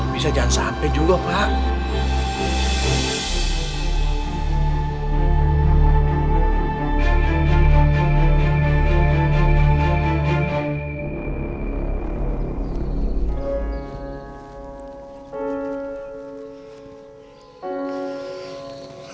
bisa jangan sampai juga pak